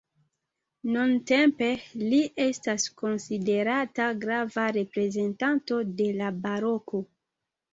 Nuntempe li estas konsiderata grava reprezentanto de la Baroko.